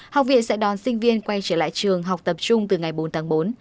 học viện sẽ đón sinh viên quay trở lại trường học tập trung từ ngày bốn tháng bốn